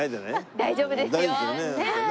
大丈夫ですよね？